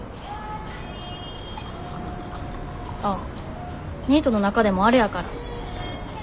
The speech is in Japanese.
あっニートの中でもあれやから。